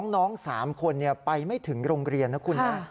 น้อง๓คนไปไม่ถึงโรงเรียนนะคุณ